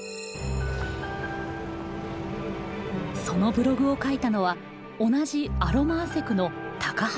そのブログを書いたのは同じアロマアセクの高橋でした。